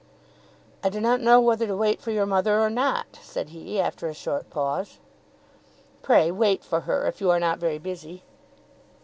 "I do not know whether to wait for your mother or not," said he after a short pause. "Pray wait for her if you are not very busy."